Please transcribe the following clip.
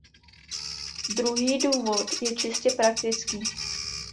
Druhý důvod je čistě praktický.